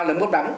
lớn mốt đắng